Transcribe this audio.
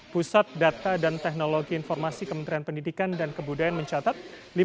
pusat data dan teknologi informasi kementerian pendidikan dan kebudayaan mencatat